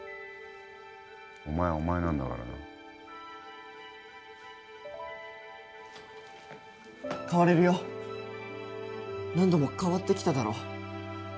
お前はお前なんだからな変われるよ何度も変わってきただろ